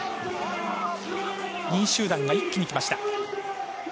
２位集団が一気に来ました。